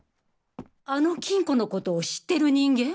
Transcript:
あの金庫のことを知ってる人間？